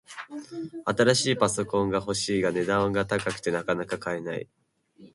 新しいパソコンが欲しいが、値段が高くてなかなか買えない